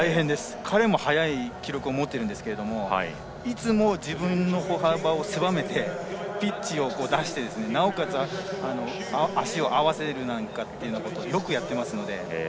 彼も速い記録を持っているんですがいつも自分の歩幅を狭めてピッチを出して、なおかつ足を合わせることをよくやっていますので。